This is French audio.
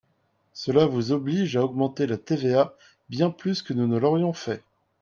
Cela vous oblige à augmenter la TVA bien plus que nous ne l’aurions fait.